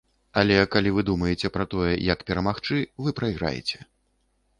Але калі вы думаеце пра тое, як перамагчы, вы прайграеце.